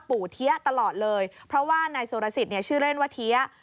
ปู่เที๊ยะตลอดเลยเพราะว่านายสุรสิตชื่อเล่นว่าเที๊ยะ